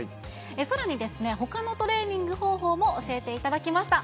さらにですね、ほかのトレーニング方法も教えていただきました。